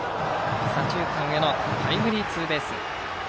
左中間へのタイムリーツーベース。